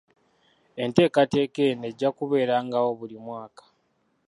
Enteekateeka eno ejja kubeerangawo buli mwaka.